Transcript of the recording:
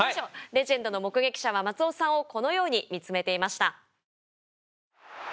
レジェンドの目撃者は松尾さんをこのように見つめていました。